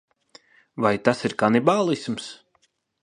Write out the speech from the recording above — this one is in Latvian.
Vai tas ir kanibālisms?